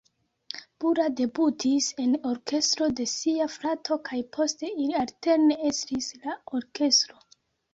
Bura debutis en orkestro de sia frato kaj poste ili alterne estris la orkestron.